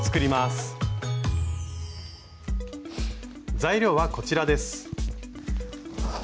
材料はこちらです。